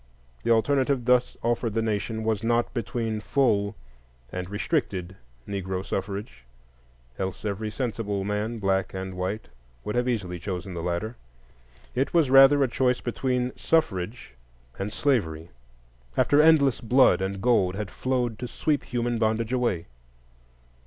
The alternative thus offered the nation was not between full and restricted Negro suffrage; else every sensible man, black and white, would easily have chosen the latter. It was rather a choice between suffrage and slavery, after endless blood and gold had flowed to sweep human bondage away.